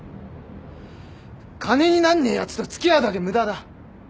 金になんねえやつとは付き合うだけ無駄だ。